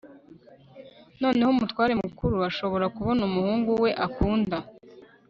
noneho umutware mukuru ashobora kubona umuhungu we akunda